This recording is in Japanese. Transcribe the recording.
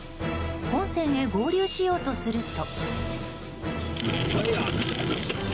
本線へ合流しようとすると。